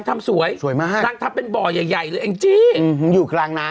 ตามกระชาภาพไปดูไปดูนางหน่อยไหม